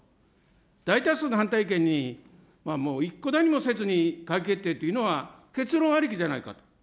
大多数の反対意見にもう一顧だにせずに、閣議決定というのは、結論ありきじゃないかと。